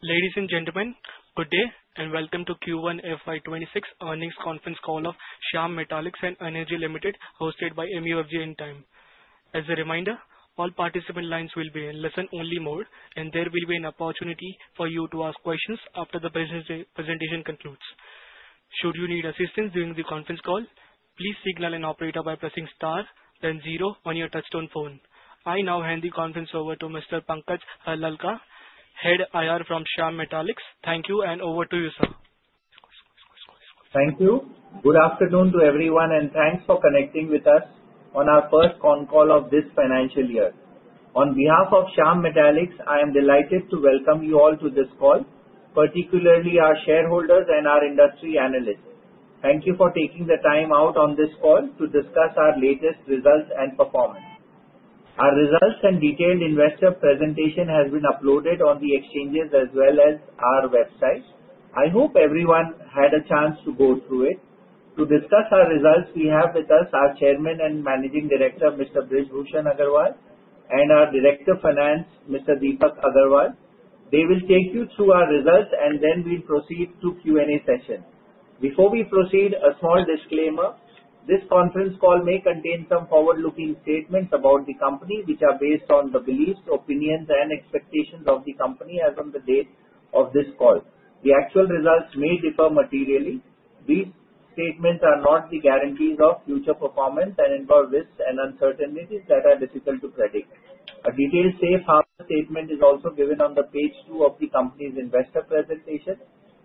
Ladies and gentlemen, good day and welcome to Q1 FY 2026 Earnings Conference call of Shyam Metalics and Energy Limited, hosted by MUFG Intime. As a reminder, all participant lines will be in listen-only mode, and there will be an opportunity for you to ask questions after the presentation concludes. Should you need assistance during the conference call, please signal an operator by pressing star, then zero on your touch-tone phone. I now hand the conference over to Mr. Pankaj Harlalka, Head IR from Shyam Metalics. Thank you, and over to you, sir. Thank you. Good afternoon to everyone, and thanks for connecting with us on our first con call of this financial year. On behalf of Shyam Metalics, I am delighted to welcome you all to this call, particularly our shareholders and our industry analysts. Thank you for taking the time out on this call to discuss our latest results and performance. Our results and detailed investor presentation have been uploaded on the exchanges as well as our website. I hope everyone had a chance to go through it. To discuss our results, we have with us our Chairman and Managing Director, Mr. Brij Bhushan Agarwal, and our Director of Finance, Mr. Deepak Agarwal. They will take you through our results, and then we'll proceed to the Q&A session. Before we proceed, a small disclaimer: this conference call may contain some forward-looking statements about the company, which are based on the beliefs, opinions, and expectations of the company as of the date of this call. The actual results may differ materially. These statements are not the guarantees of future performance and involve risks and uncertainties that are difficult to predict. A detailed safe harbor statement is also given on page two of the company's investor presentation.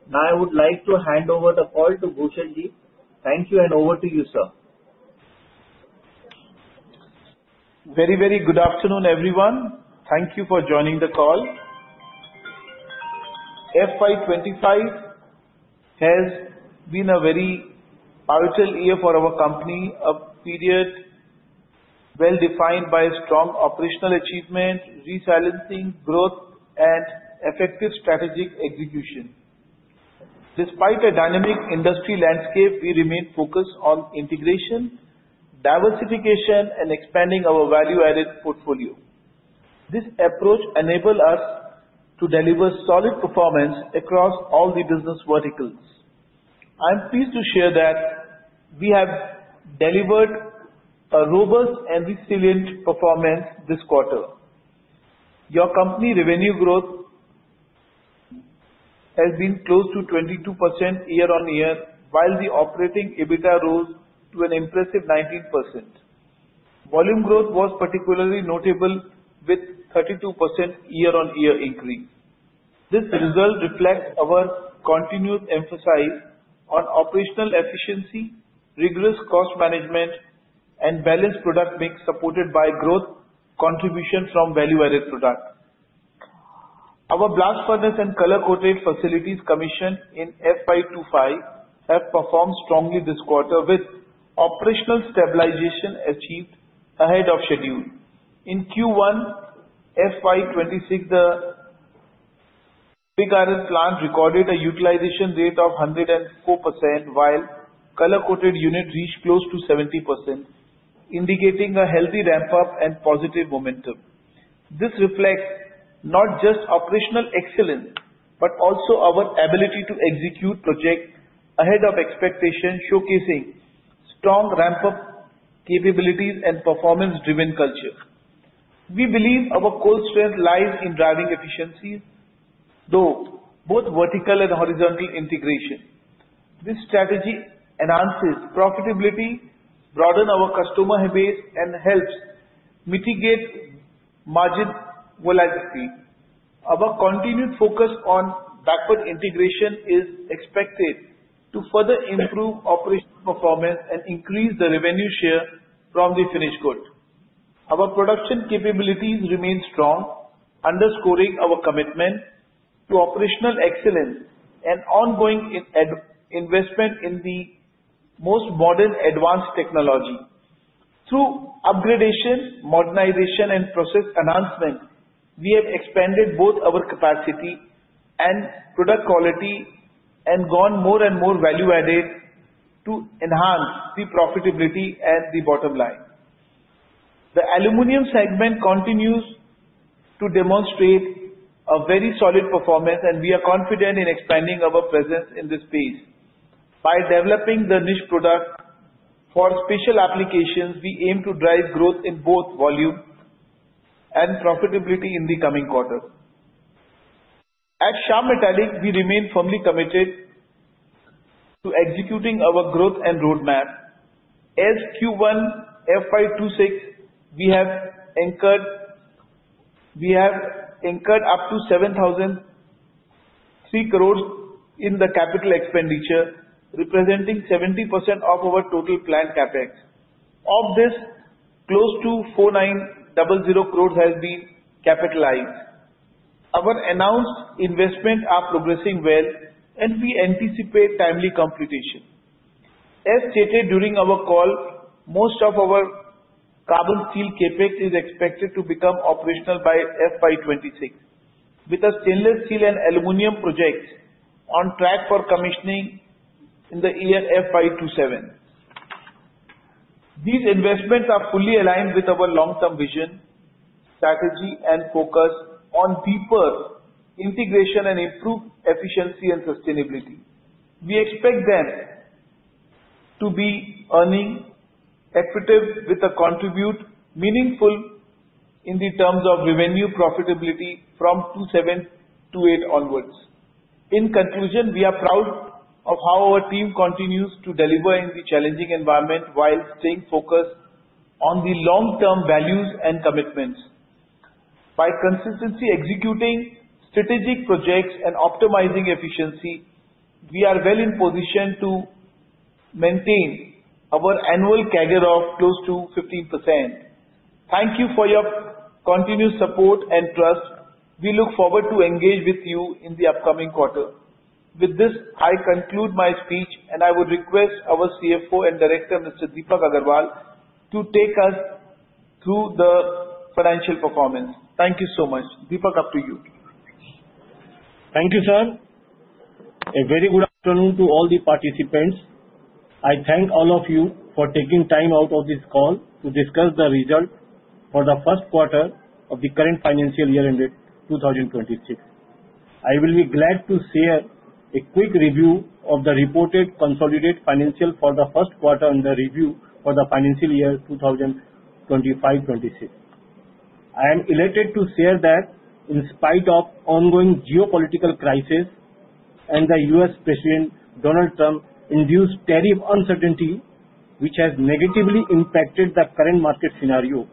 Now, I would like to hand over the call to Bhushanji. Thank you, and over to you, sir. Very, very good afternoon, everyone. Thank you for joining the call. FY 2025 has been a very vital year for our company, a period well-defined by strong operational achievement, resiliency, growth, and effective strategic execution. Despite a dynamic industry landscape, we remain focused on integration, diversification, and expanding our value-added portfolio. This approach enables us to deliver solid performance across all the business verticals. I'm pleased to share that we have delivered a robust and resilient performance this quarter. Your company revenue growth has been close to 22% year-on-year, while the operating EBITDA rose to an impressive 19%. Volume growth was particularly notable, with a 32% year-on-year increase. This result reflects our continued emphasis on operational efficiency, rigorous cost management, and balanced product mix, supported by growth contributions from value-added product. Our blast furnace and color-coated facilities commissioned in FY 2025 have performed strongly this quarter, with operational stabilization achieved ahead of schedule. In Q1 FY 2026, the pig iron plant recorded a utilization rate of 104%, while color-coated units reached close to 70%, indicating a healthy ramp-up and positive momentum. This reflects not just operational excellence but also our ability to execute projects ahead of expectations, showcasing strong ramp-up capabilities and performance-driven culture. We believe our core strength lies in driving efficiencies, both vertical and horizontal integration. This strategy enhances profitability, broadens our customer base, and helps mitigate margin volatility. Our continued focus on backward integration is expected to further improve operational performance and increase the revenue share from the finished good. Our production capabilities remain strong, underscoring our commitment to operational excellence and ongoing investment in the most modern advanced technology. Through upgradation, modernization, and process enhancement, we have expanded both our capacity and product quality and gone more and more value-added to enhance the profitability and the bottom line. The aluminum segment continues to demonstrate a very solid performance, and we are confident in expanding our presence in this space. By developing the niche product for special applications, we aim to drive growth in both volume and profitability in the coming quarters. At Shyam Metalics, we remain firmly committed to executing our growth and roadmap. As Q1 FY 2026, we have incurred up to 7,003 crores in the capital expenditure, representing 70% of our total planned CapEx. Of this, close to 4,900 crores has been capitalized. Our announced investments are progressing well, and we anticipate timely completion. As stated during our call, most of our carbon steel CapEx is expected to become operational by FY 2026, with the stainless steel and aluminum projects on track for commissioning in the year FY 2027. These investments are fully aligned with our long-term vision, strategy, and focus on deeper integration and improved efficiency and sustainability. We expect them to be earning equitably with a contribution meaningful in the terms of revenue profitability from 27 to 28 onwards. In conclusion, we are proud of how our team continues to deliver in the challenging environment while staying focused on the long-term values and commitments. By consistently executing strategic projects and optimizing efficiency, we are well in position to maintain our annual CAGR of close to 15%. Thank you for your continued support and trust. We look forward to engaging with you in the upcoming quarter. With this, I conclude my speech, and I would request our CFO and Director, Mr. Deepak Agarwal, to take us through the financial performance. Thank you so much. Deepak, up to you. Thank you, sir. A very good afternoon to all the participants. I thank all of you for taking time out of this call to discuss the results for the first quarter of the current financial year ended 2026. I will be glad to share a quick review of the reported consolidated financials for the first quarter and the review for the financial year 2025-2026. I am elated to share that in spite of ongoing geopolitical crisis and the U.S. President Donald Trump-induced tariff uncertainty, which has negatively impacted the current market scenario,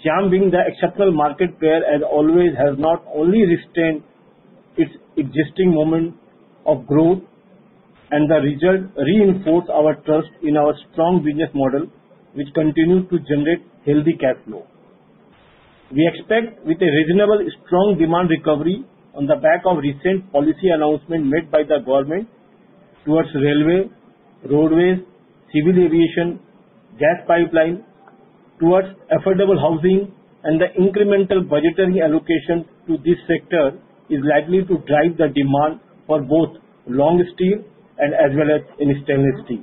Shyam being the exceptional market player, as always, has not only sustained its existing momentum of growth, and the results reinforce our trust in our strong business model, which continues to generate healthy cash flow. We expect, with a reasonably strong demand recovery on the back of recent policy announcements made by the government towards railways, roadways, civil aviation, gas pipelines, towards affordable housing, and the incremental budgetary allocations to this sector, is likely to drive the demand for both long steel as well as stainless steel.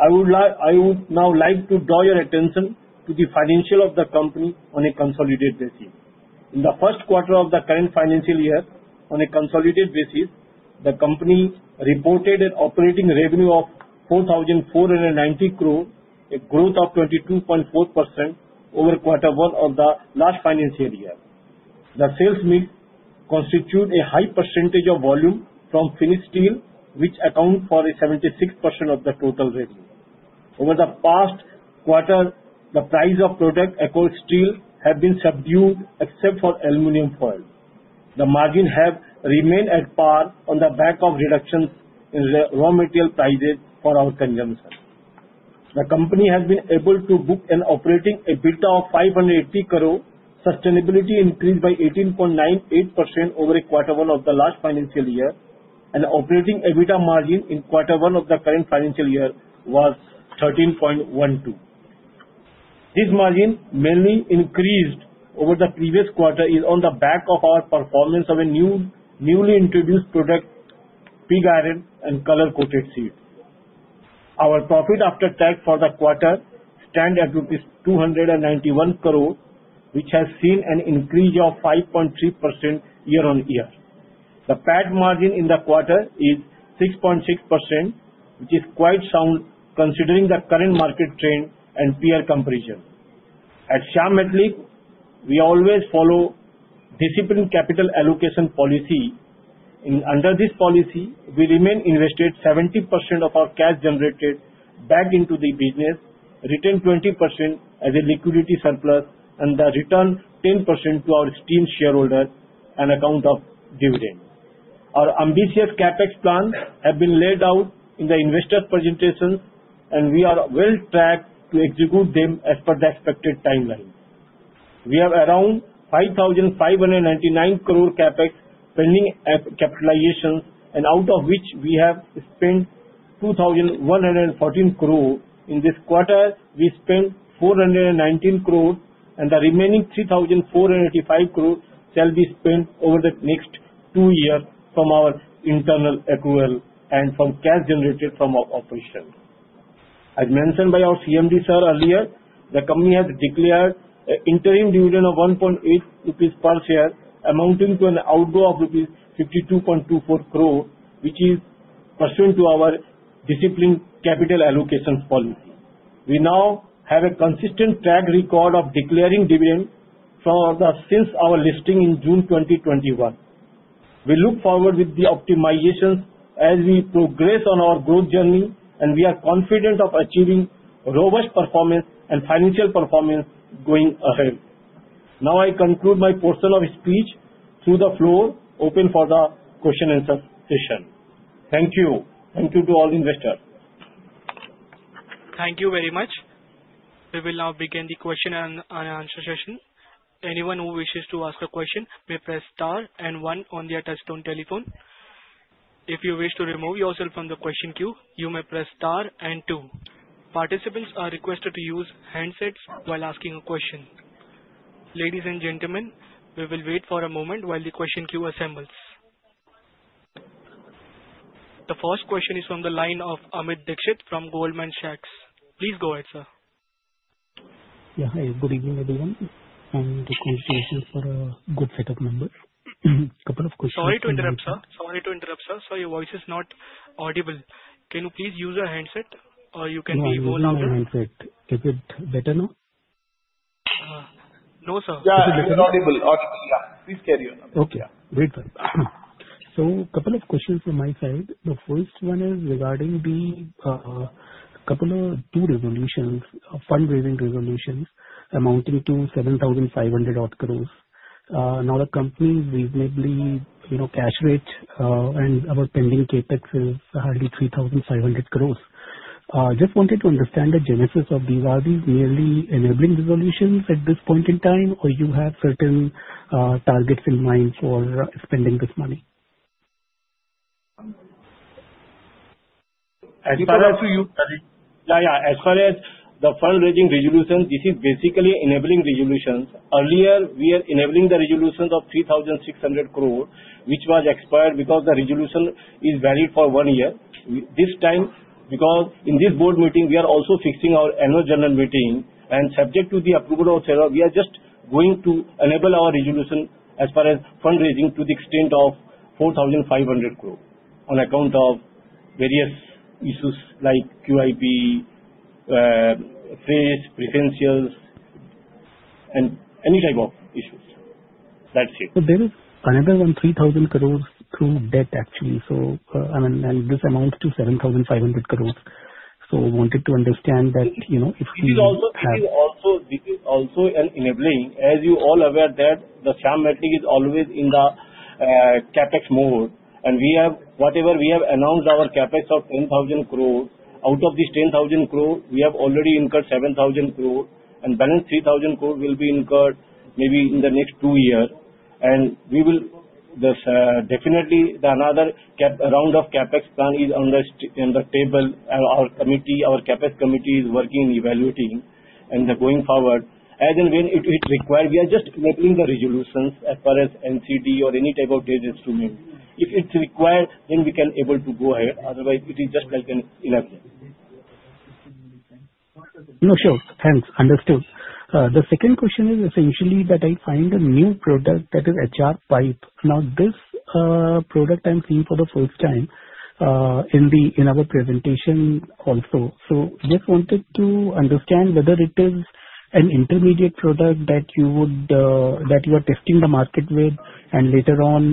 I would now like to draw your attention to the financials of the company on a consolidated basis. In the first quarter of the current financial year, on a consolidated basis, the company reported an operating revenue of 4,490 crores, a growth of 22.4% over quarter one of the last financial year. The sales mix constitutes a high percentage of volume from finished steel, which accounts for 76% of the total revenue. Over the past quarter, the price of products across steel has been subdued, except for aluminum foil. The margins have remained at par on the back of reductions in raw material prices for our consumption. The company has been able to book an operating EBITDA of 580 crores, which has increased by 18.98% over quarter one of the last financial year, and operating EBITDA margin in quarter one of the current financial year was 13.12%. This margin, mainly increased over the previous quarter, is on the back of our performance of a newly introduced product, pig iron and color coated steel. Our profit after tax for the quarter stands at rupees 291 crores, which has seen an increase of 5.3% year-on-year. The PAT margin in the quarter is 6.6%, which is quite sound considering the current market trend and peer comparison. At Shyam Metalics, we always follow disciplined capital allocation policy. Under this policy, we remain invested 70% of our cash generated back into the business, retained 20% as a liquidity surplus, and returned 10% to our esteemed shareholders on account of dividends. Our ambitious CapEx plans have been laid out in the investor presentations, and we are well tracked to execute them as per the expected timeline. We have around 5,599 crores CapEx pending capitalization, out of which we have spent 2,114 crores. In this quarter, we spent 419 crores, and the remaining 3,485 crores shall be spent over the next two years from our internal accrual and from cash generated from our operation. As mentioned by our CMD, sir, earlier, the company has declared an interim dividend of 1.8 rupees per share, amounting to an outgo of rupees 52.24 crores, which is pursuant to our disciplined capital allocation policy. We now have a consistent track record of declaring dividends since our listing in June 2021. We look forward to the optimizations as we progress on our growth journey, and we are confident of achieving robust performance and financial performance going ahead. Now, I conclude my portion of speech. Throw the floor open for the question-and-answer session. Thank you. Thank you to all investors. Thank you very much. We will now begin the question and answer session. Anyone who wishes to ask a question may press star and one on the touch-tone telephone. If you wish to remove yourself from the question queue, you may press star and two. Participants are requested to use handsets while asking a question. Ladies and gentlemen, we will wait for a moment while the question queue assembles. The first question is from the line of Amit Dixit from Goldman Sachs. Please go ahead, sir. Yeah, hi. Good evening, everyone, and congratulations for a good set of numbers. A couple of questions. Sorry to interrupt, sir. Sorry to interrupt, sir. Sir, your voice is not audible. Can you please use a handset or you can be more louder? No handset. Is it better now? No, sir. Yeah, it's a little audible. Yeah. Please carry on. Okay. Great. So a couple of questions from my side. The first one is regarding a couple of two resolutions, fund-raising resolutions amounting to 7,500 crores. Now, the company's reasonably cash-rich, and our pending CapEx is hardly 3,500 crores. Just wanted to understand the genesis of these. Are these merely enabling resolutions at this point in time, or do you have certain targets in mind for spending this money? As far as you - yeah, yeah. As far as the fund-raising resolutions, this is basically enabling resolutions. Earlier, we were enabling the resolutions of 3,600 crores, which was expired because the resolution is valid for one year. This time, because in this board meeting, we are also fixing our annual general meeting, and subject to the approval of the - we are just going to enable our resolution as far as fund-raising to the extent of 4,500 crores on account of various issues like QIP, preferential, and any type of issues. That's it. So there is another 1,000 crores through debt, actually. So, I mean, and this amounts to 7,500 crores. So I wanted to understand that if we- This is also an enabling. As you all are aware, Shyam Metalics is always in the CapEx mode. We have whatever we have announced, our CapEx of 10,000 crores. Out of this 10,000 crores, we have already incurred 7,000 crores, and the balance 3,000 crores will be incurred maybe in the next two years. We will. This definitely, the another round of CapEx plan is on the table, and our committee, our CapEx committee, is working in evaluating and going forward. As and when it requires, we are just enabling the resolutions as far as NCD or any type of debt instrument. If it is required, then we can be able to go ahead. Otherwise, it is just like an inaction. No, sure. Thanks. Understood. The second question is essentially that I find a new product that is HR pup. Now, this product I'm seeing for the first time in our presentation also. So just wanted to understand whether it is an intermediate product that you would—that you are testing the market with, and later on,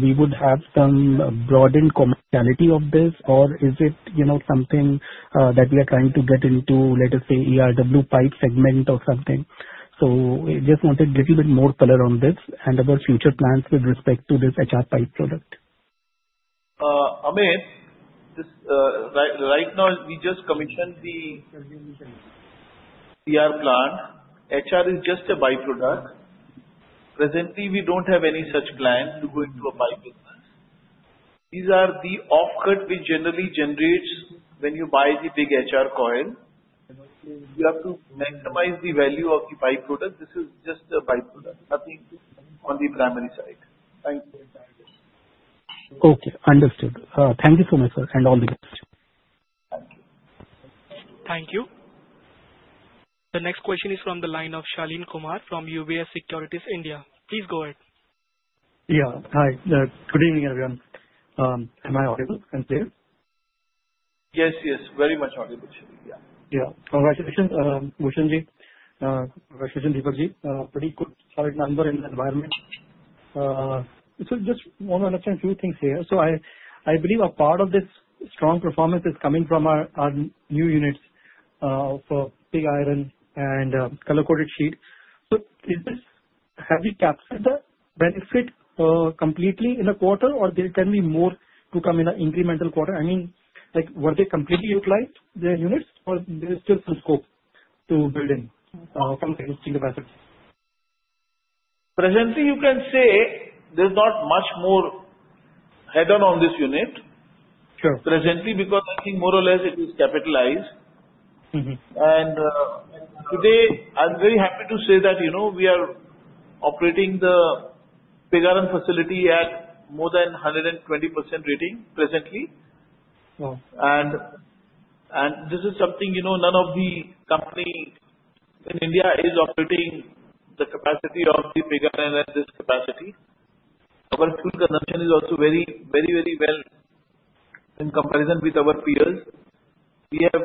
we would have some broadened commerciality of this, or is it something that we are trying to get into, let us say, ERW pipe segment or something? So I just wanted a little bit more color on this and about future plans with respect to this HR pup product? Amit, right now, we just commissioned the CR plant. HR is just a byproduct. Presently, we don't have any such plan to go into a pipe business. These are the off-cut which generally generates when you buy the big HR coil. You have to maximize the value of the byproduct. This is just a byproduct, nothing on the primary side. Thanks. Okay. Understood. Thank you so much, sir, and all the best. Thank you. Thank you. The next question is from the line of Shaleen Kumar from UBS Securities India. Please go ahead. Yeah. Hi. Good evening, everyone. Am I audible? Can you see it? Yes, yes. Very much audible. Yeah. Yeah. Congratulations, Vishwan ji, congratulations, Deepak ji. Pretty good solid number in the environment. So just want to understand a few things here. So I believe a part of this strong performance is coming from our new units for pig iron and color-coated sheet. So is this CapEx benefit completely in the quarter, or there can be more to come in the coming quarter? I mean, were they completely utilized, the units, or there is still some scope to build in from existing capacity? Presently, you can say there's not much more headroom on this unit, presently because I think more or less it is capitalized, and today, I'm very happy to say that we are operating the Jamuria facility at more than 120% rating presently, and this is something none of the companies in India is operating the capacity of the Jamuria at this capacity. Our fuel consumption is also very, very, very well in comparison with our peers. We have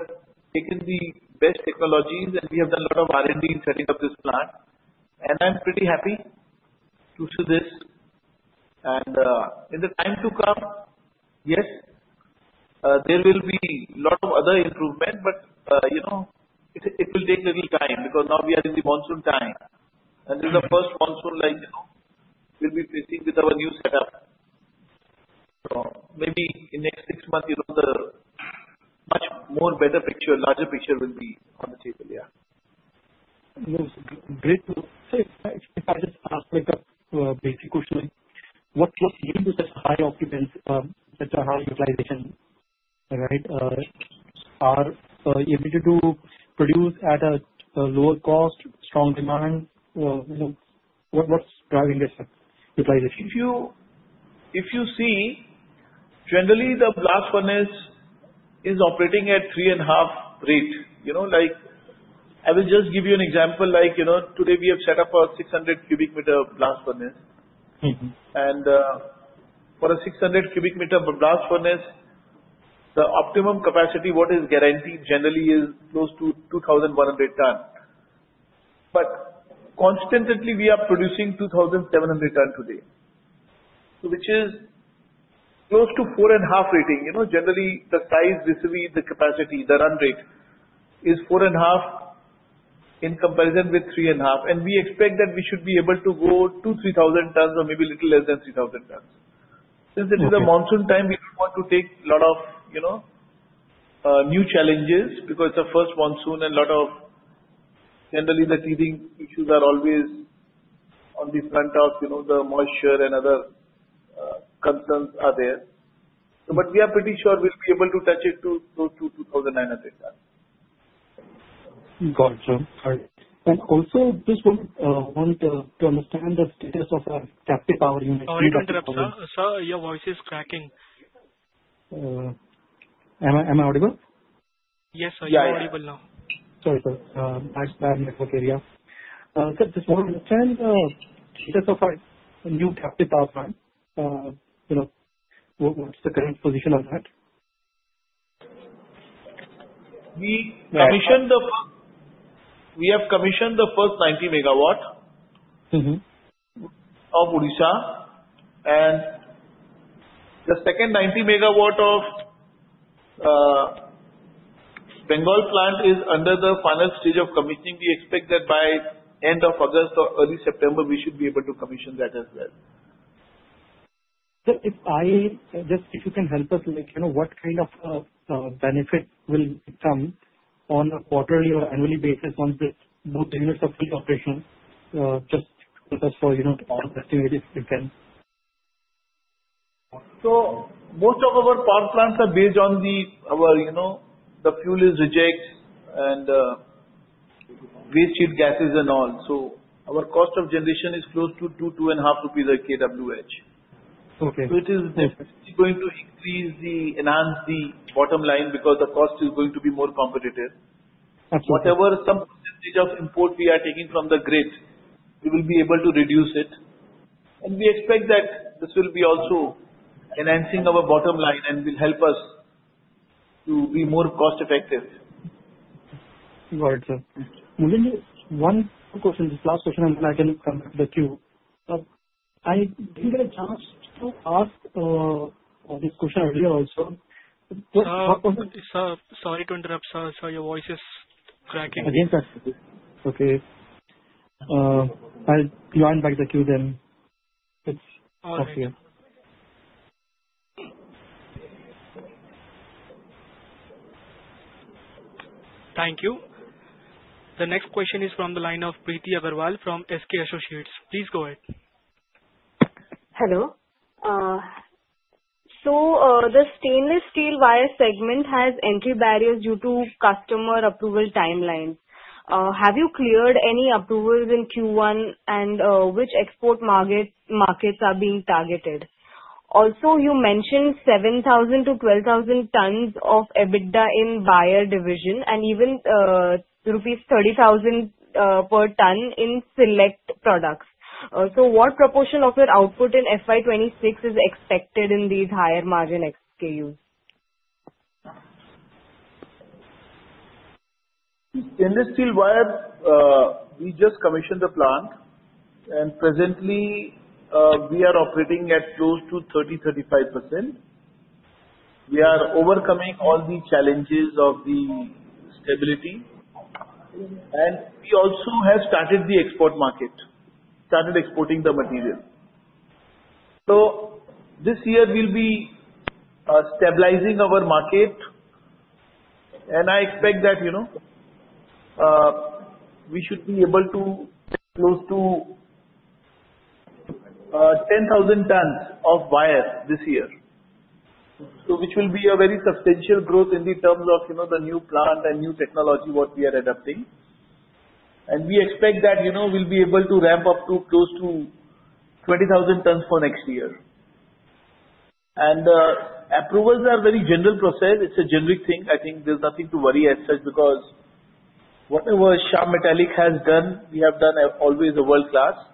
taken the best technologies, and we have done a lot of R&D in setting up this plant, and I'm pretty happy to see this, and in the time to come, yes, there will be a lot of other improvements, but it will take a little time because now we are in the monsoon time, and this is the first monsoon we'll be facing with our new setup. So maybe in the next six months, the much more better picture, larger picture will be on the table. Yeah. Yes. Great too. If I just ask a basic question, what's driving this high capacity, the high utilization, right? Are you able to produce at a lower cost, strong demand? What's driving this utilization? If you see, generally, the blast furnace is operating at three-and-a-half rate. I will just give you an example. Today, we have set up a 600 cubic meter blast furnace. And for a 600 cubic meter blast furnace, the optimum capacity what is guaranteed generally is close to 2,100 tons. But constantly, we are producing 2,700 tons today, which is close to four-and-a-half rating. Generally, the designed capacity, the run rate is four-and-a-half in comparison with three-and-a-half. And we expect that we should be able to go to 3,000 tons or maybe a little less than 3,000 tons. Since it is a monsoon time, we don't want to take a lot of new challenges because it's the first monsoon and a lot of generally the teething issues are always on the front of the moisture and other concerns are there. But we are pretty sure we'll be able to touch it to close to 2,900 tons. Gotcha. And also, just want to understand the status of our captive power unit. Sorry to interrupt, sir. Your voice is cracking. Am I audible? Yes, sir. You're audible now. Sorry, sir. That's bad network area. Just want to understand the status of our new Captive Power Plant. What's the current position on that? We have commissioned the first 90 megawatts of Odisha, and the second 90 megawatts of Bengal plant is under the final stage of commissioning. We expect that by end of August or early September, we should be able to commission that as well. If you can help us, what kind of benefit will come on a quarterly or annually basis on both the units of operation? Just help us for estimate if you can. Most of our power plants are based on the fuel is rejects and waste heat gases and all. Our cost of generation is close to 2-2.50 rupees a kWh. It is definitely going to increase and enhance the bottom line because the cost is going to be more competitive. Whatever some percentage of import we are taking from the grid, we will be able to reduce it. We expect that this will be also enhancing our bottom line and will help us to be more cost-effective. Gotcha. One question, just last question, and then I can come back to you. I didn't get a chance to ask this question earlier also. Sorry to interrupt, sir. I saw your voice is cracking. Again, sir. Okay. I'll join back the queue then. It's up here. Thank you. The next question is from the line of Priti Agarwal from SK Associates. Please go ahead. Hello. So the stainless steel wire segment has entry barriers due to customer approval timelines. Have you cleared any approvals in Q1, and which export markets are being targeted? Also, you mentioned 7,000-12,000 per ton EBITDA in iron division and even rupees 30,000 per ton in select products. So what proportion of your output in FY 2026 is expected in these higher margin SKUs? Stainless steel wire, we just commissioned the plant, and presently, we are operating at close to 30%-35%. We are overcoming all the challenges of the stability, and we also have started the export market, started exporting the material, so this year, we'll be stabilizing our market, and I expect that we should be able to get close to 10,000 tons of wire this year, which will be a very substantial growth in the terms of the new plant and new technology what we are adopting, and we expect that we'll be able to ramp up to close to 20,000 tons for next year, and approvals are a very general process. It's a generic thing. I think there's nothing to worry as such because whatever Shyam Metalics has done, we have done always world-class.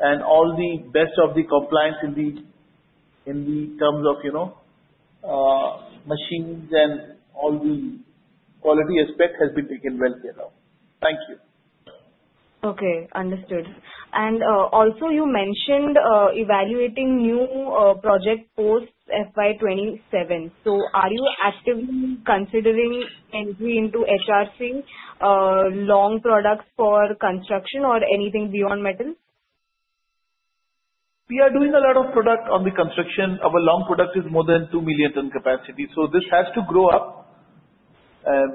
And all aspects of compliance in terms of machines and all the quality aspects have been taken good care of. Thank you. Okay. Understood. And also, you mentioned evaluating new project post FY 2027. So are you actively considering entry into HRC, long products for construction, or anything beyond metals? We are doing a lot of product on the construction. Our long product is more than two million ton capacity. So this has to grow up.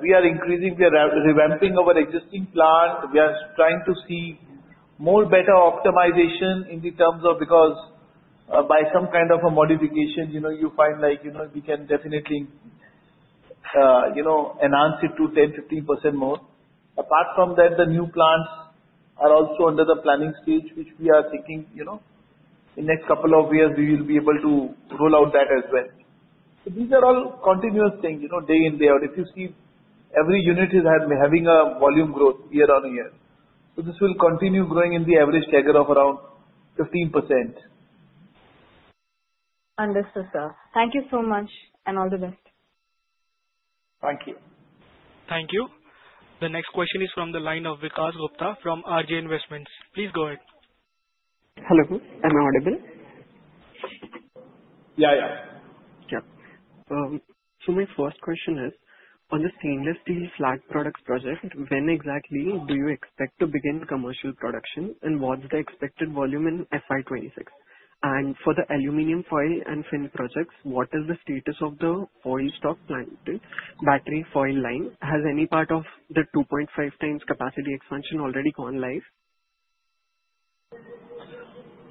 We are increasing. We are revamping our existing plant. We are trying to see more better optimization in the terms of because by some kind of a modification, you find we can definitely enhance it to 10%-15% more. Apart from that, the new plants are also under the planning stage, which we are thinking in the next couple of years, we will be able to roll out that as well. So these are all continuous things day in, day out. If you see, every unit is having a volume growth year-on-year. So this will continue growing in the average CAGR of around 15%. Understood, sir. Thank you so much, and all the best. Thank you. Thank you. The next question is from the line of Vikas Gupta from RJ Investments. Please go ahead. Hello. Am I audible? Yeah, yeah. Yeah. So my first question is, on the stainless steel flat products project, when exactly do you expect to begin commercial production, and what's the expected volume in FY 2026? And for the aluminum foil and fin projects, what is the status of the Al stock planned battery foil line? Has any part of the 2.5 times capacity expansion already gone live?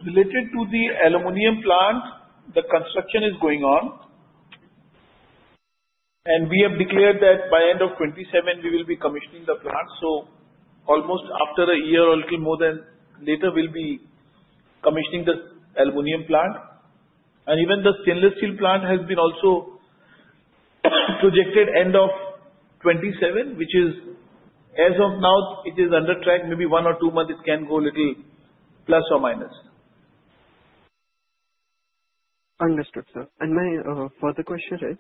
Related to the aluminum plant, the construction is going on. And we have declared that by end of 2027, we will be commissioning the plant. So almost after a year or a little more than later, we'll be commissioning the aluminum plant. And even the stainless steel plant has been also projected end of 2027, which is as of now, it is on track. Maybe one or two months, it can go a little plus or minus. Understood, sir. And my further question is,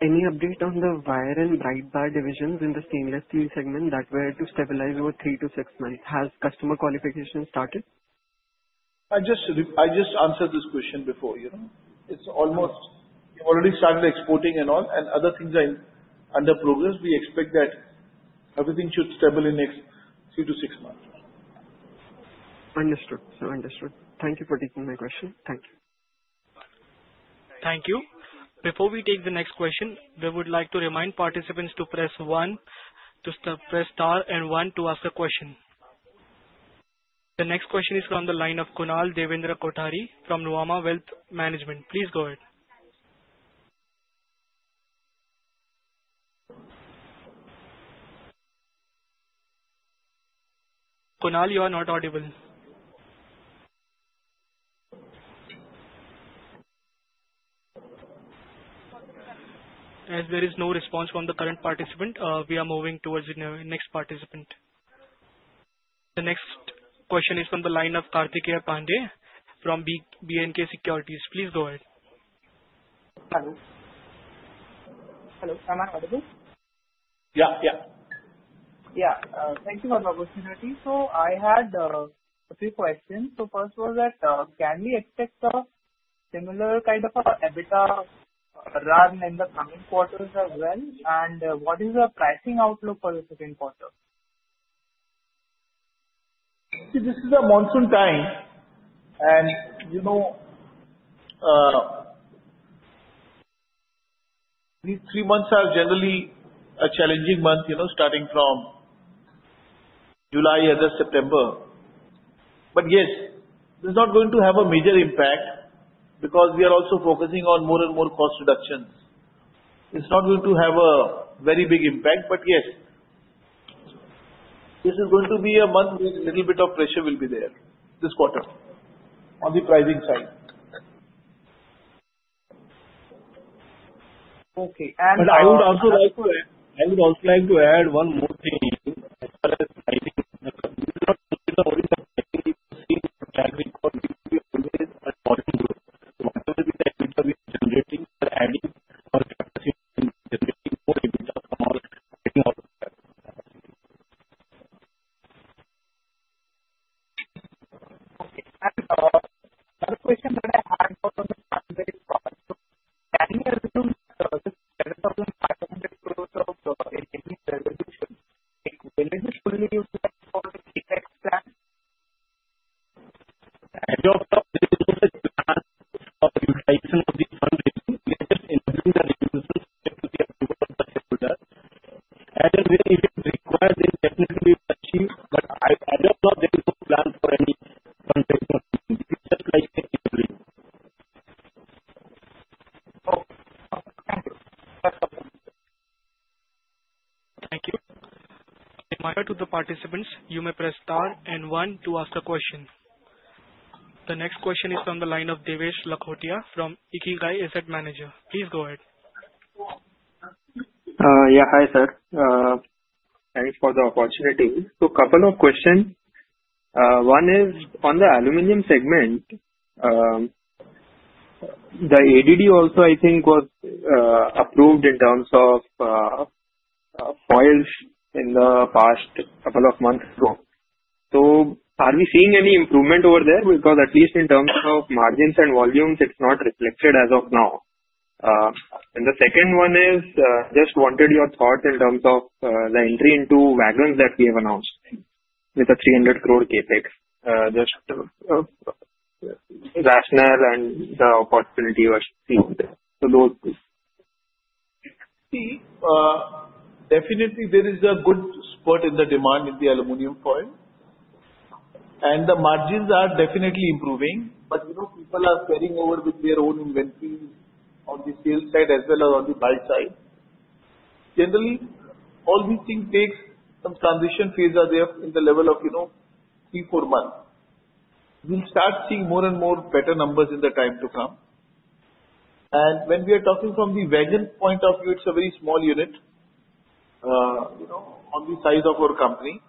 any update on the wire and bright bar divisions in the stainless steel segment that were to stabilize over three to six months? Has customer qualification started? I just answered this question before. It's almost we've already started exporting and all, and other things are under progress. We expect that everything should stable in next three to six months. Understood, sir. Understood. Thank you for taking my question. Thank you. Thank you. Before we take the next question, we would like to remind participants to press one to press star and one to ask a question. The next question is from the line of Kunal Devendra Kothari from Nuvama Wealth Management. Please go ahead. Kunal, you are not audible. As there is no response from the current participant, we are moving towards the next participant. The next question is from the line of Kartikeya Pandey from B&K Securities. Please go ahead. Hello. Hello. Am I audible? Yeah, yeah. Yeah. Thank you for the opportunity. So I had a few questions. So first was that, can we expect a similar kind of EBITDA run in the coming quarters as well? And what is the pricing outlook for the second quarter? See, this is a monsoon time, and these three months are generally a challenging month, starting from July, August, September, but yes, it's not going to have a major impact because we are also focusing on more and more cost reductions. It's not going to have a very big impact, but yes, this is going to be a month where a little bit of pressure will be there this quarter on the pricing side. Okay. And. But I would also like to add one more thing are we seeing any improvement over there? Because at least in terms of margins and volumes, it's not reflected as of now. And the second one is just wanted your thoughts in terms of the entry into wagons that we have announced with the 300 crore CapEx, just rationale and the opportunity seen there. So those. See, definitely, there is a good spurt in the demand in the aluminum foil. And the margins are definitely improving, but people are carrying over with their own inventories on the sales side as well as on the buy side. Generally, all these things take some transition phase in the level of three, four months. We'll start seeing more and more better numbers in the time to come. And when we are talking from the wagon point of view, it's a very small unit on the size of our company.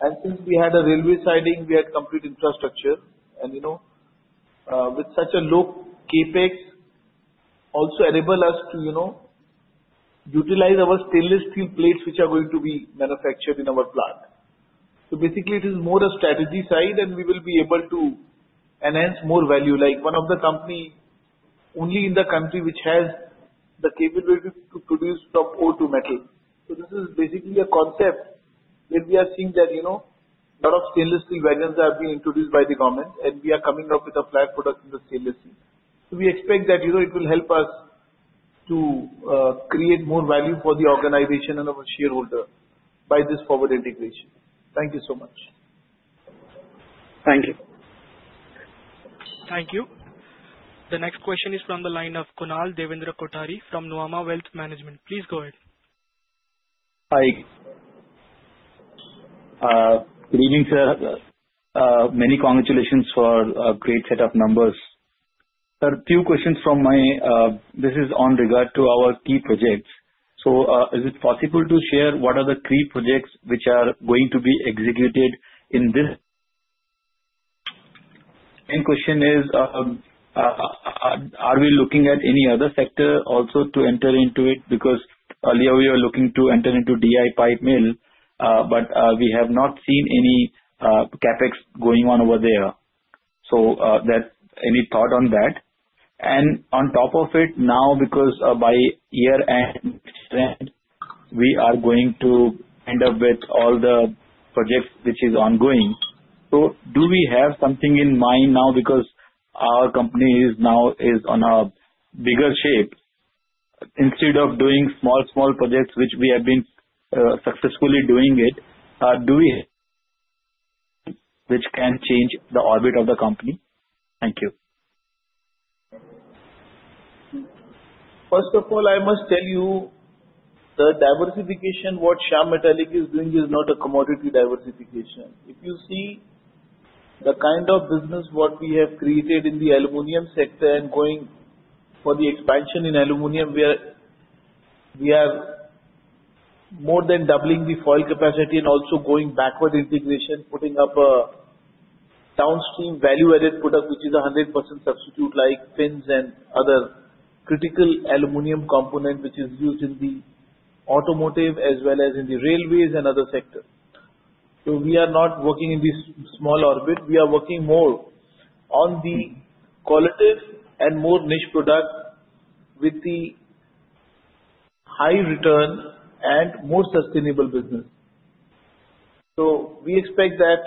And since we had a railway siding, we had complete infrastructure. And with such a low CapEx, also enable us to utilize our stainless steel plates, which are going to be manufactured in our plant. So basically, it is more a strategy side, and we will be able to enhance more value. Like one of the companies only in the country which has the capability to produce from ore to metal. So this is basically a concept where we are seeing that a lot of stainless steel wagons have been introduced by the government, and we are coming up with a flagship product in stainless steel. So we expect that it will help us to create more value for the organization and our shareholder by this forward integration. Thank you so much. Thank you. Thank you. The next question is from the line of Kunal Devendra Kothari from Nuvama Wealth Management. Please go ahead. Hi. Good evening, sir. Many congratulations for a great set of numbers. Sir, a few questions from my side. This is regarding our key projects. So is it possible to share what are the key projects which are going to be executed in this? Main question is, are we looking at any other sector also to enter into it? Because earlier, we were looking to enter into DI Pipe mill, but we have not seen any CapEx going on over there. So any thought on that? And on top of it, now, because by year-end, we are going to end up with all the projects which is ongoing, so do we have something in mind now because our company now is on a bigger shape? Instead of doing small, small projects, which we have been successfully doing it, do we which can change the orbit of the company? Thank you. First of all, I must tell you, the diversification what Shyam Metalics is doing is not a commodity diversification. If you see the kind of business what we have created in the aluminum sector and going for the expansion in aluminum, we are more than doubling the foil capacity and also going backward integration, putting up a downstream value-added product, which is a 100% substitute like fins and other critical aluminum component which is used in the automotive as well as in the railways and other sectors. So we are not working in this small orbit. We are working more on the quality and more niche product with the high return and more sustainable business. So we expect that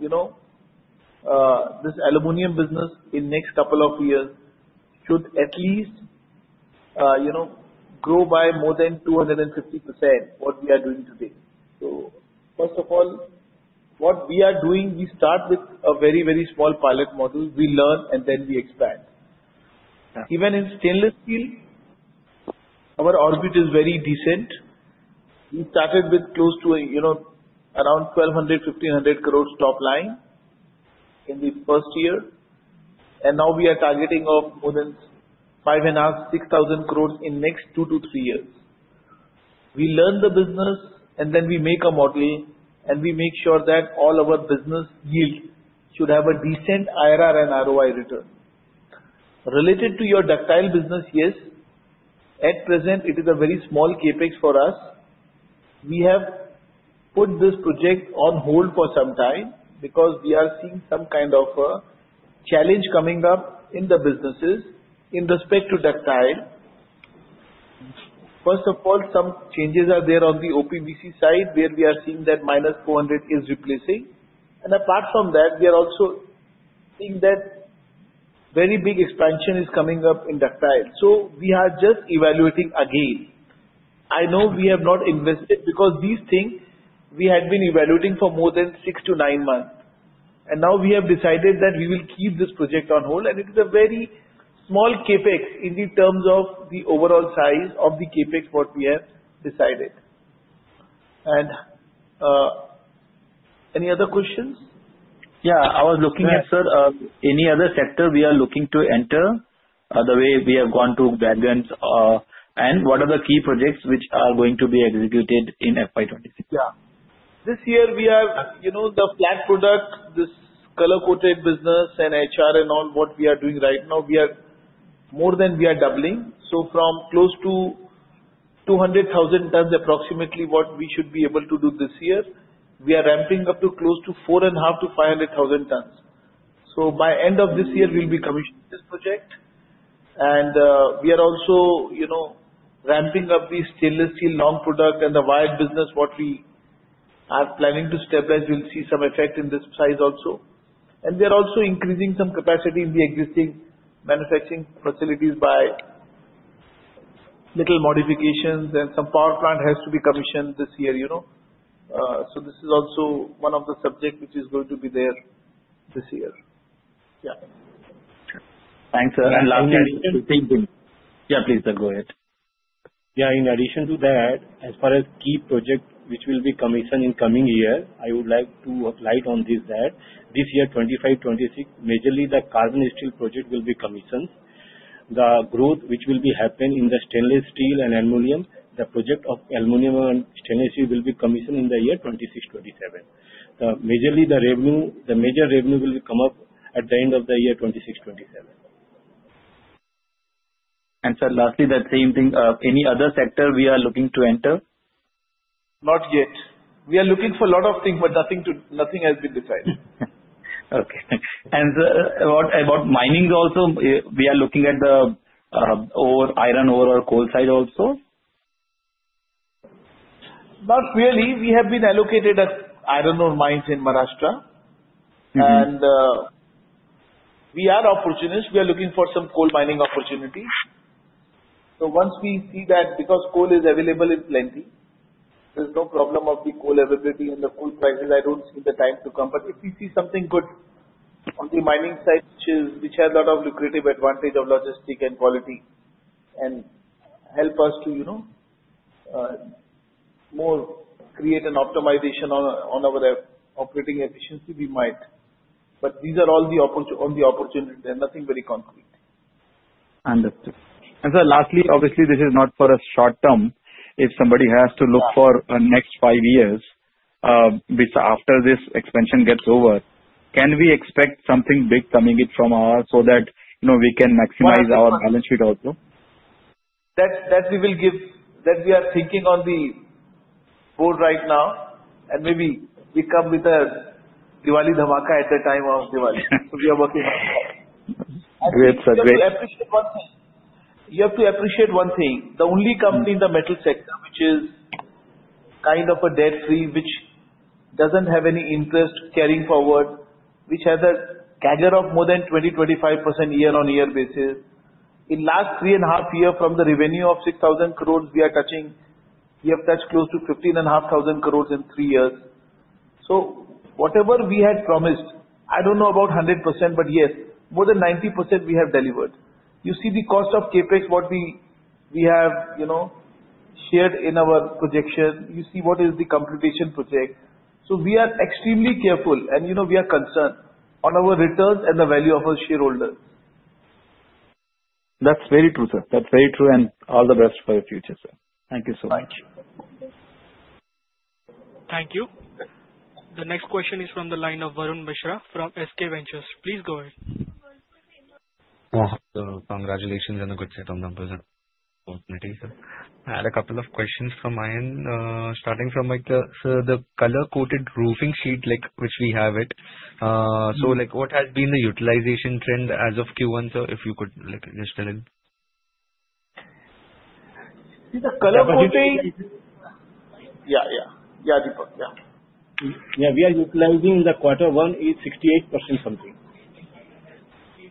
this aluminum business in the next couple of years should at least grow by more than 250% what we are doing today. So first of all, what we are doing, we start with a very, very small pilot model. We learn, and then we expand. Even in stainless steel, our output is very decent. We started with close to around 1,200, 1,500 crores top line in the first year. And now we are targeting of more than 5,500, 6,000 crores in the next two to three years. We learn the business, and then we make a model, and we make sure that all our business yield should have a decent IRR and ROI return. Related to your ductile business, yes. At present, it is a very small CapEx for us. We have put this project on hold for some time because we are seeing some kind of a challenge coming up in the businesses in respect to ductile. First of all, some changes are there on the O-PVC side where we are seeing that -400 is replacing. And apart from that, we are also seeing that very big expansion is coming up in ductile. So we are just evaluating again. I know we have not invested because these things we had been evaluating for more than six-to-nine months. And now we have decided that we will keep this project on hold, and it is a very small CapEx in the terms of the overall size of the CapEx what we have decided. And any other questions? Yeah. I was looking at, sir, any other sector we are looking to enter the way we have gone to wagons and what are the key projects which are going to be executed in FY 2026? Yeah. This year, we have the flat product, this color-coated business, and HR and all what we are doing right now, we are more than we are doubling. So from close to 200,000 tons approximately what we should be able to do this year, we are ramping up to close to 450,000-500,000 tons. So by end of this year, we'll be commissioning this project. And we are also ramping up the stainless steel long product and the wire business what we are planning to stabilize. We'll see some effect in this size also. And we are also increasing some capacity in the existing manufacturing facilities by little modifications, and some power plant has to be commissioned this year. So this is also one of the subjects which is going to be there this year. Yeah. Thanks, sir. And lastly, in addition to. Thank you. Yeah, please, sir, go ahead. Yeah. In addition to that, as far as key project which will be commissioned in coming year, I would like to highlight on this that this year, 2025, 2026, majorly the carbon steel project will be commissioned. The growth which will be happening in the stainless steel and aluminum, the project of aluminum and stainless steel will be commissioned in the year 2026, 2027. So majorly the revenue, the major revenue will come up at the end of the year 2026, 2027. And sir, lastly, that same thing, any other sector we are looking to enter? Not yet. We are looking for a lot of things, but nothing has been decided. Okay. And sir, about mining also, we are looking at the iron ore or coal side also? Not really. We have been allocated iron ore mines in Maharashtra. And we are opportunists. We are looking for some coal mining opportunities. Once we see that because coal is available in plenty, there's no problem of the coal availability and the coal prices. I don't see the time to come. But if we see something good on the mining side, which has a lot of lucrative advantage of logistics and quality and help us to more create an optimization on our operating efficiency, we might. But these are all the opportunities. There's nothing very concrete. Understood. And sir, lastly, obviously, this is not for a short term. If somebody has to look for next five years after this expansion gets over, can we expect something big coming from us so that we can maximize our balance sheet also? That we will give that we are thinking on the board right now. Maybe we come with a Diwali dhamaka at the time of Diwali. We are working on that. Great, sir. Great. You have to appreciate one thing. You have to appreciate one thing. The only company in the metal sector, which is kind of a debt-free, which doesn't have any interest carrying forward, which has a CAGR of more than 20%-25% year-on-year basis. In the last three and a half years from the revenue of 6,000 crores, we have touched close to 15,500 crores in three years. So whatever we had promised, I don't know about 100%, but yes, more than 90% we have delivered. You see the cost of CapEx what we have shared in our projection. You see what is the CapEx project. So we are extremely careful, and we are concerned on our returns and the value of our shareholders. That's very true, sir. That's very true. And all the best for the future, sir. Thank you so much. Thank you. Thank you. The next question is from the line of Varun Mishra from MK Ventures. Please go ahead. Congratulations on the good set of numbers. Opportunity, sir. I had a couple of questions from my end. Starting from the color-coated roofing sheet which we have it. So what has been the utilization trend as of Q1, sir? If you could just tell it. The color coating. Yeah, yeah. Yeah, Deepak. Yeah. Yeah. We are utilizing in the quarter one is 68% something.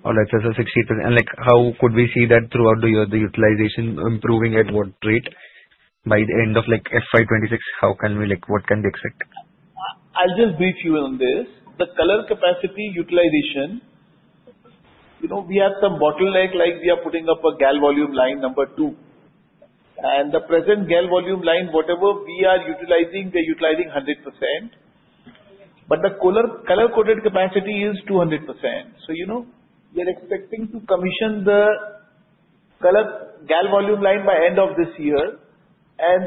Oh, that's 68%. And how could we see that throughout the utilization improving at what rate by the end of FY 2026? How can we, what can we expect? I'll just brief you on this. The color capacity utilization, we have some bottleneck, like we are putting up a Galvalume line number two, and the present Galvalume line, whatever we are utilizing, we are utilizing 100%, but the color coated capacity is 200%, so we are expecting to commission the Galvalume line by end of this year, and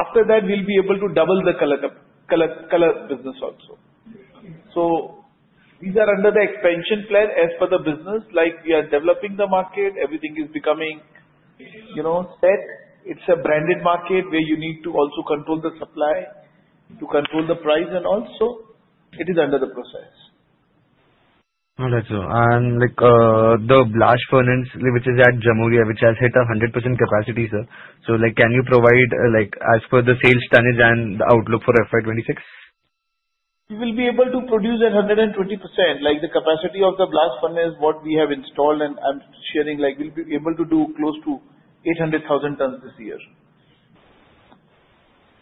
after that, we'll be able to double the color business also, so these are under the expansion plan as per the business. We are developing the market. Everything is becoming set. It's a branded market where you need to also control the supply to control the price, and also, it is under the process. All right, sir. And the Blast Furnace, which is at Jamuria, which has hit 100% capacity, sir. So can you provide as per the sales tonnage and the outlook for FY 2026? We will be able to produce at 120%. The capacity of the Blast Furnace, what we have installed and I'm sharing, we'll be able to do close to 800,000 tons this year.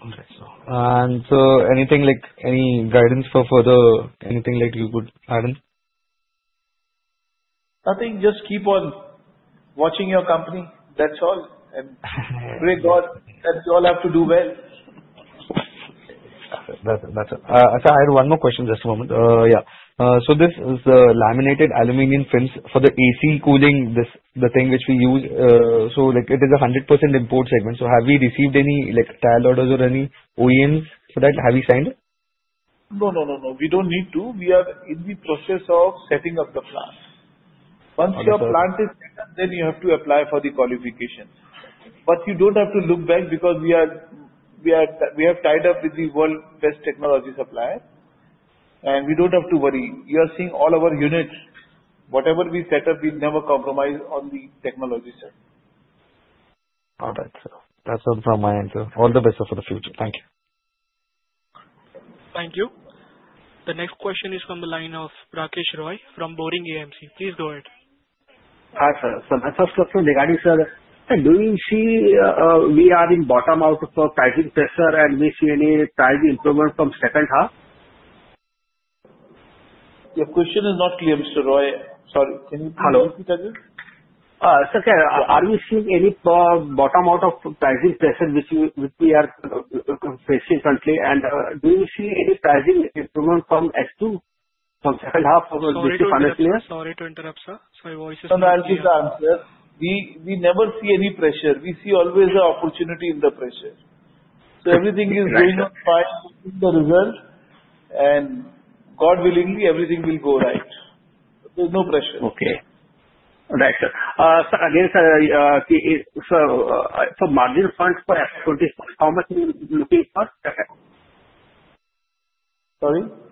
All right, sir. And sir, anything like any guidance for further anything you could add in? Nothing. Just keep on watching your company. That's all. And pray God that you all have to do well. That's it. That's it. Actually, I had one more question just a moment. Yeah. So this is the laminated aluminum films for the AC cooling, the thing which we use. So it is a 100% import segment. So have we received any trial orders or any OEMs for that? Have we signed it? No, no, no, no. We don't need to. We are in the process of setting up the plant. Once your plant is set up, then you have to apply for the qualifications. But you don't have to look back because we have tied up with the world's best technology supplier. And we don't have to worry. You are seeing all our units. Whatever we set up, we never compromise on the technology side. All right, sir. That's all from my end, sir. All the best for the future. Thank you. Thank you. The next question is from the line of Rakesh Roy from Boring EMC. Please go ahead. Hi, sir. So my first question, regarding, sir, do you see we are in bottom out of pricing pressure, and we see any price improvement from second half? Your question is not clear, Mr. Roy. Sorry. Can you please repeat that, sir? Sir, yeah. Are we seeing any bottom out of pricing pressure which we are facing currently? And do you see any pricing improvement from S2, from second half of this financial year? Sorry to interrupt, sir. Sorry, voice is cutting out. No, no, I'm here, sir. We never see any pressure. We see always an opportunity in the pressure. So everything is going on fine, looking at the result, and God willing, everything will go right. There's no pressure. Okay. All right, sir. Sir, again, sir, for margin funds for FY 2026, how much are you looking for? Sorry? For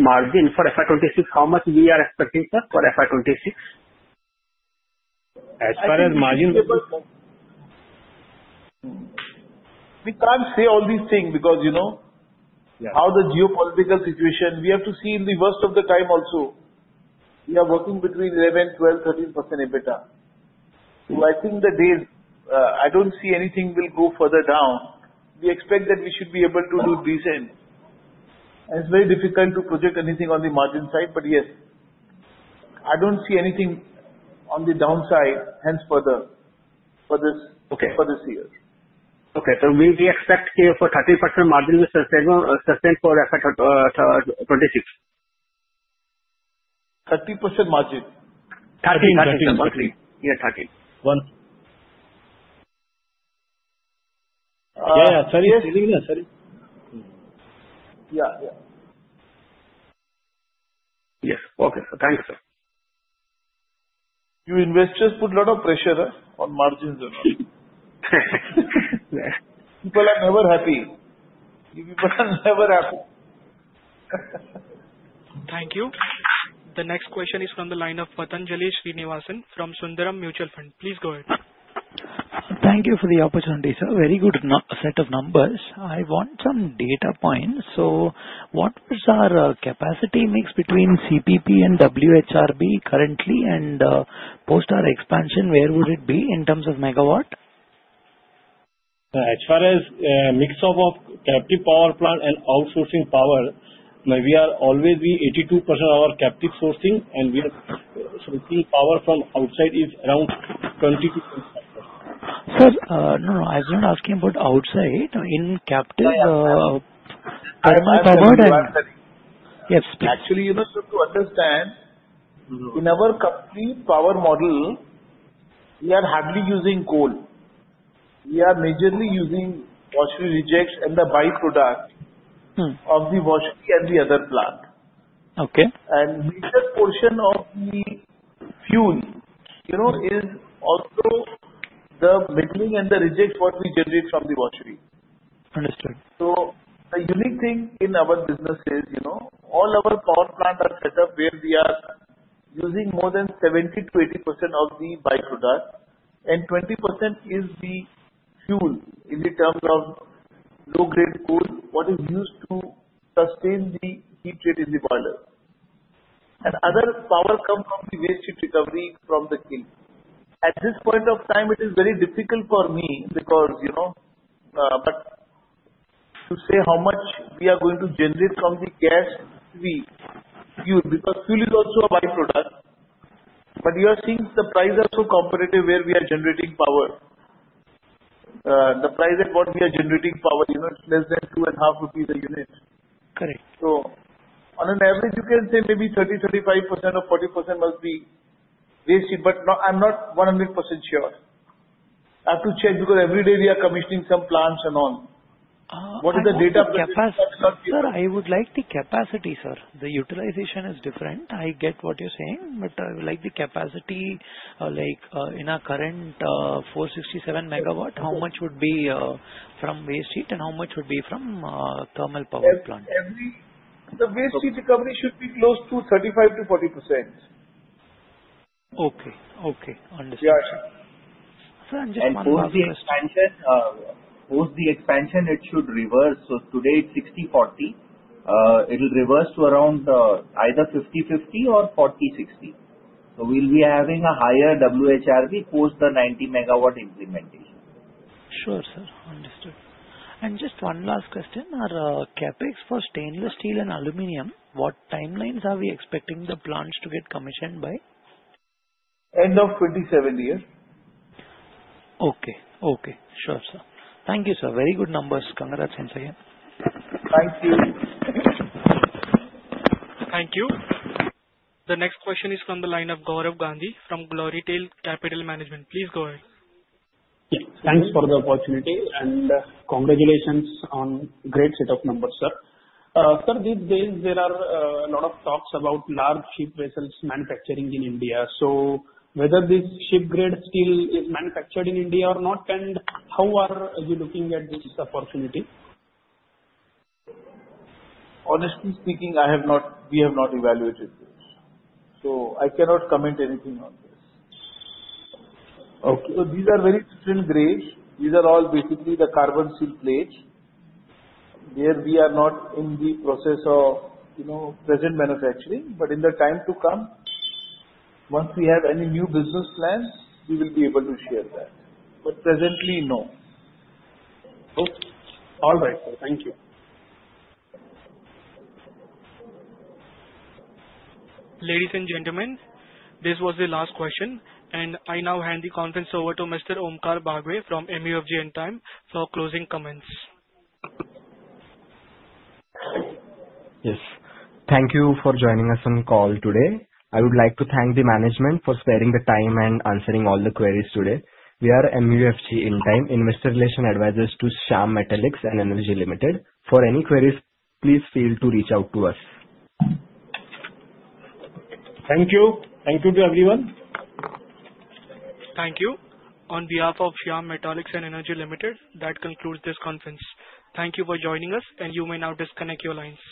margin for FY 2026, how much we are expecting, sir, for FY 2026? As far as margin? We can't say all these things because of how the geopolitical situation. We have to see in the worst of the time also. We are working between 11%-13% EBITDA. So I think these days, I don't see anything will go further down. We expect that we should be able to do decent, and it's very difficult to project anything on the margin side, but yes. I don't see anything on the downside hence further for this year. Okay. So we expect here for 30% margin sustained for FY 2026? 30% margin? 13% margin. Yeah, 13. Yeah, yeah. Sorry, sorry. Yeah, yeah. Yes. Okay, sir. Thank you, sir. You investors put a lot of pressure on margins. People are never happy. People are never happy. Thank you. The next question is from the line of Patanjali Srinivasan from Sundaram Mutual Fund. Please go ahead. Thank you for the opportunity, sir. Very good set of numbers. I want some data points. So what was our capacity mix between CPP and WHRB currently? And post our expansion, where would it be in terms of megawatt? As far as mix of captive power plant and outsourcing power, we are always 82% of our captive sourcing, and we are sourcing power from outside is around 20%-25%. Sir, no, no. I wasn't asking about outside. In captive. Captive power and. Yes, please. Actually, you have to understand, in our company power model, we are hardly using coal. We are majorly using washery rejects and the byproduct of the washery and the other plant. And major portion of the fuel is also the middlings and the rejects what we generate from the washery. Understood. So the unique thing in our business is all our power plants are set up where we are using more than 70%-80% of the byproduct. And 20% is the fuel in the terms of low-grade coal what is used to sustain the heat rate in the boiler. And other power comes from the waste heat recovery from the kiln. At this point of time, it is very difficult for me because to say how much we are going to generate from the gas we use because fuel is also a byproduct. But you are seeing the price are so competitive where we are generating power. The price at what we are generating power, it's less than 2.5 rupees a unit. Correct. So on an average, you can say maybe 30%, 35% or 40% must be waste heat. But I'm not 100% sure. I have to check because every day we are commissioning some plants and on. What is the data? Sir, I would like the capacity, sir. The utilization is different. I get what you're saying. But I would like the capacity in our current 467 megawatts, how much would be from waste heat and how much would be from thermal power plant? The waste heat recovery should be close to 35%-40%. Okay. Okay. Understood. Yeah, sir. Sir, I'm just wondering if. Post the expansion, post the expansion, it should reverse. Today, it's 60, 40. It'll reverse to around either 50, 50 or 40, 60. We'll be having a higher WHRB post the 90 megawatt implementation. Sure, sir. Understood. Just one last question. Our CapEx for stainless steel and aluminum, what timelines are we expecting the plants to get commissioned by? End of 27 years. Okay. Okay. Sure, sir. Thank you, sir. Very good numbers. Congrats once again. Thank you. Thank you. The next question is from the line of Gaurav Gandhi from Glorytail Capital Management. Please go ahead. Yes. Thanks for the opportunity. And congratulations on great set of numbers, sir. Sir, these days, there are a lot of talks about large ship vessels manufacturing in India. So whether this ship-grade steel is manufactured in India or not, and how are you looking at this opportunity? Honestly speaking, we have not evaluated this. So I cannot comment anything on this. So these are very different grades. These are all basically the carbon steel plates. There we are not in the process of present manufacturing. But in the time to come, once we have any new business plans, we will be able to share that. But presently, no. Okay. All right, sir. Thank you. Ladies and gentlemen, this was the last question. And I now hand the conference over to Mr. Omkar Bagwe from MUFG Intime for closing comments. Yes. Thank you for joining us on the call today. I would like to thank the management for sparing the time and answering all the queries today. We are MUFG Intime, investor relations advisors to Shyam Metalics and Energy Limited. For any queries, please feel free to reach out to us. Thank you. Thank you to everyone. Thank you. On behalf of Shyam Metalics and Energy Limited, that concludes this conference. Thank you for joining us, and you may now disconnect your lines.